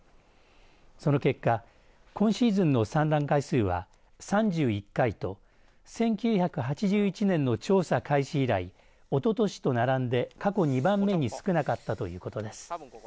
その結果今シーズンの産卵回数は３１回と１９８１年の調査開始以来おととしと並んで過去２番目に少なかったということです。